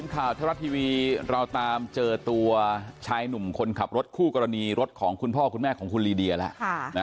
ข่าวไทยรัฐทีวีเราตามเจอตัวชายหนุ่มคนขับรถคู่กรณีรถของคุณพ่อคุณแม่ของคุณลีเดียแล้ว